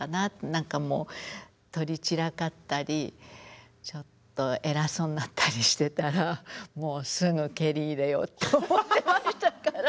何かもう取り散らかったりちょっと偉そうになったりしてたらもうすぐ蹴り入れようと思ってましたから。